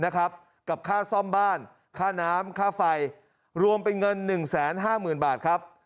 กับค่าซ่อมบ้านค่าน้ำค่าไฟรวมเป็นเงิน๑๕๐๐๐บาทครับ